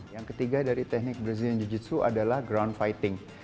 yang ketiga dari teknik brazilian jiu jitsu adalah ground fighting